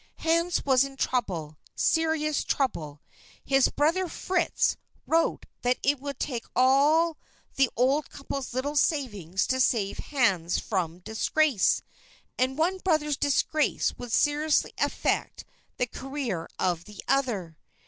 Hans was in trouble serious trouble. His brother, Fritz, wrote that it would take all the old couple's little savings to save Hans from disgrace; and one brother's disgrace would seriously affect the career of the other.